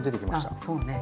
あそうね。